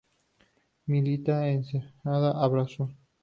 Milita en Eccellenza Abruzzo.